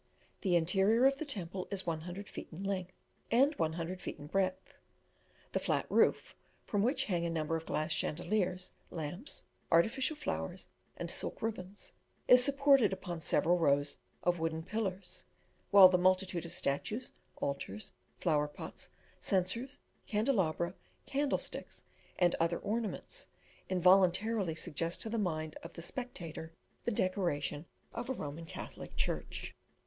The interior of the temple is 100 feet in length, and 100 feet in breadth. The flat roof, from which hang a number of glass chandeliers, lamps, artificial flowers, and silk ribbons, is supported upon several rows of wooden pillars, while the multitude of statues, altars, flower pots, censers, candelabra, candlesticks, and other ornaments, involuntarily suggest to the mind of the spectator the decoration of a Roman Catholic church.